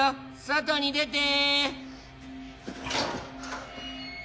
外に出て！